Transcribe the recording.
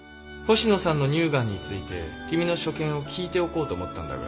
☎星野さんの乳ガンについて君の所見を聞いておこうと思ったんだが。